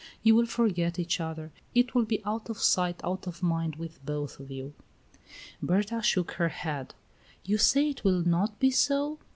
You will forget each other. It will be out of sight out of mind with both of you." Berta shook her head. "You say it will not be so?"